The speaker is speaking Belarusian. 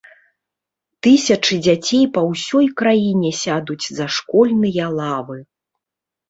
Тысячы дзяцей па ўсёй краіне сядуць за школьныя лавы.